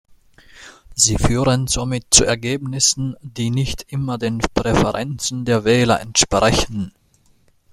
Sie führen somit zu Ergebnissen, die nicht immer den Präferenzen der Wähler entsprechen.